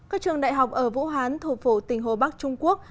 các trường đại học ở vũ hán thủ phủ tỉnh hồ bắc trung quốc